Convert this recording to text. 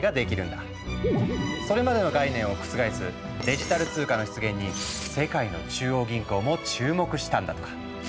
それまでの概念を覆すデジタル通貨の出現に世界の中央銀行も注目したんだとか。